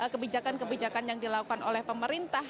kebijakan kebijakan yang dilakukan oleh pemerintah